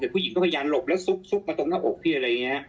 แต่ผู้หญิงก็พยายามหลบแล้วซุกมาตรงหน้าอกพี่อะไรอย่างนี้